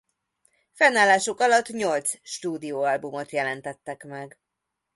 Fennállásuk alatt nyolc stúdióalbumot jelentettek meg.